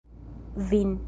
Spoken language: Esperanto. vin